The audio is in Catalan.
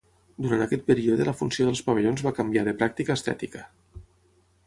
Durant aquest període la funció dels pavellons va canviar de pràctica a estètica.